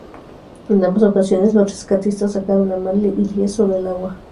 En ambas ocasiones, los rescatistas sacaron a Manly ileso del agua.